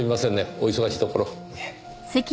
お忙しいところ。